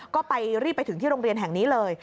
ก็ไปรีบไปถึงที่โรงเรียนแห่งนี้เลย